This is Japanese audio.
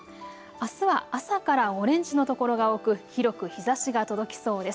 あすは朝からオレンジの所が多く広く日ざしが届きそうです。